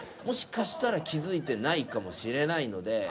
もしかしたら気付いてないかもしれないので。